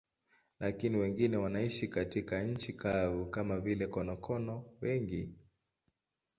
Lakini wengine wanaishi katika nchi kavu, kama vile konokono wengi.